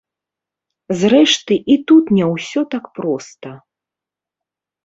Зрэшты, і тут не ўсё так проста.